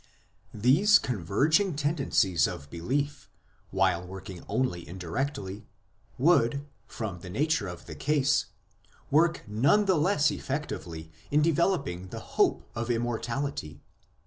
These converging tendencies of belief, while working only indirectly, would, from the nature of the case, work none the less effectively in developing the hope of Immortality.